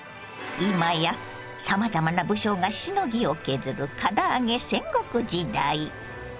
今やさまざまな武将がしのぎを削るから揚げ戦国時代。